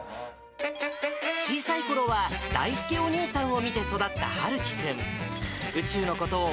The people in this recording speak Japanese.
小さいころはだいすけお兄さんを見て育った陽生君。